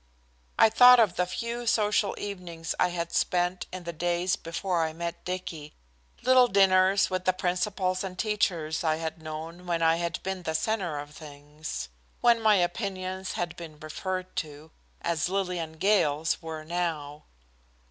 I thought of the few social evenings I had spent in the days before I met Dicky, little dinners with the principals and teachers I had known, when I had been the centre of things, when my opinions had been referred to, as Lillian Gale's were now.